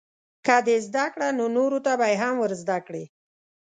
که دې زده کړه نو نورو ته به یې هم ورزده کړې.